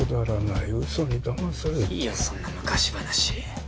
いいよそんな昔話。